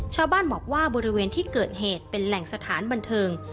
ชาวบ้านบอกว่าบริเวณที่เกิดเหตุเป็นแหล่งสถานบันเทิง